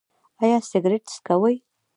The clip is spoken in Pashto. ایا سګرټ څکوئ؟